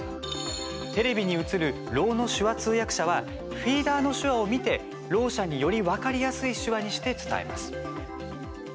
テレビに映るろうの手話通訳者はフィーダーの手話を見てろう者に、より分かりやすい手話にして伝えます。